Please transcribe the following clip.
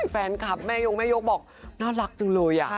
แฟนคลับแม่ยงแม่ยกบอกน่ารักจังเลย